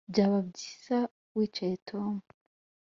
Byaba byiza wicaye Tom